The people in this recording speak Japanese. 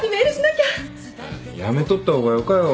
やめとった方がよかよ。